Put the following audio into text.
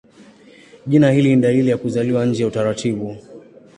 Jina hili ni dalili ya kuzaliwa nje ya utaratibu.